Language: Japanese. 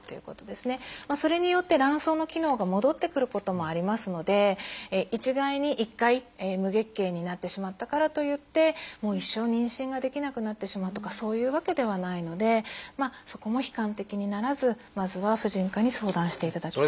それによって卵巣の機能が戻ってくることもありますので一概に一回無月経になってしまったからといってもう一生妊娠ができなくなってしまうとかそういうわけではないのでそこも悲観的にならずまずは婦人科に相談していただきたいなと。